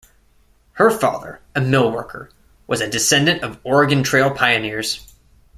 Her father, a millworker, was a descendant of Oregon Trail pioneers.